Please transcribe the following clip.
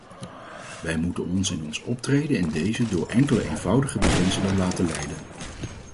Wij moeten ons in ons optreden in dezen door enkele eenvoudige beginselen laten leiden.